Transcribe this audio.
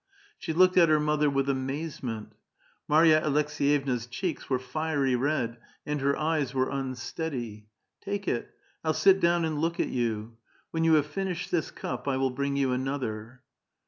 She looked at her mother with amazement. Marya Alek 8^3'evna's cheeks were fiery red, and her eyes were unsteady. *' Take it. I'll sit down and look at you. When you have finished this cup, I will bring you another."